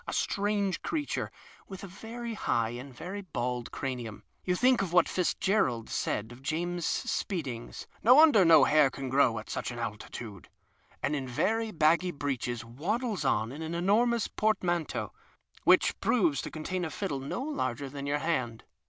A strange creature with a very high and very bald cranium (you think of what Fitz gerald said of James Spedding's :" No wonder no hair can grow at such an altitude ") and in very baggy breeches waddles in with an enormous port manteau — which i)roves to contain a fiddle no larger than your hand.